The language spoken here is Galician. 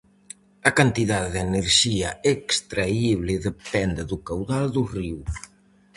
A cantidade de enerxía extraíble depende do caudal do río.